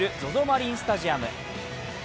マリンスタジアム。